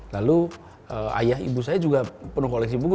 lalu ayah ibu saya juga penuh koleksi buku